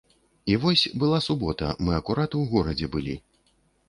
І вось, была субота, мы акурат у горадзе былі.